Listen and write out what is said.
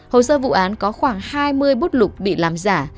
hồ sơ vụ án có khoảng hai mươi bút lục bị làm giả